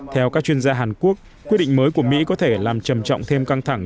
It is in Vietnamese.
theo các chuyên gia hàn quốc quyết định mới của mỹ có thể làm trầm trọng thêm căng thẳng